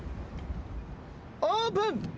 オープン。